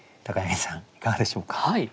いかがでしょうか？